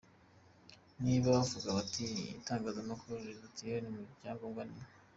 Niba bavuga bati Itangazamakuru rirazitiwe, icya ngombwa ni .